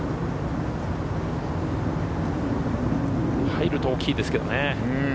入ると大きいですけどね。